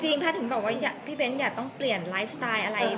จริงแพะถึงบอกแบบว่าพี่เป้นต้องเปลี่ยนไลฟ์สไตล์